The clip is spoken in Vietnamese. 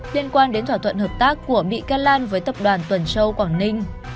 liên quan đến thỏa thuận hợp tác của bị can lan với tập đoàn tuần châu quảng ninh